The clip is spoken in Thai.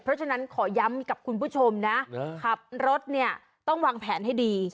เพราะฉะนั้นขอย้ำกับคุณผู้ชมนะขับรถเนี่ยต้องวางแผนให้ดี